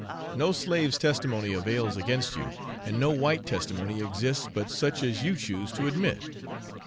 No slaves' testimony avails against you, and no white testimony exists but such as you choose to admit.